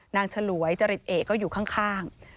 ฉลวยจริตเอกก็อยู่ข้าง